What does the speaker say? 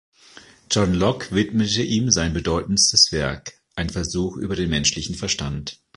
John Locke widmete ihm sein bedeutendes Werk: "Ein Versuch über den menschlichen Verstand".